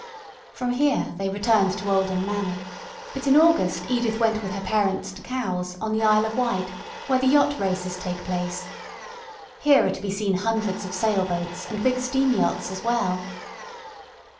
From here they returned to Oldham Manor, but in August Edith went with her parents to Cowes, on the Isle of Wight, where the yacht races take place. Here are to be seen hundreds of sailboats, and big steam yachts as well.